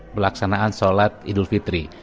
belaksanaan sholat idul fitri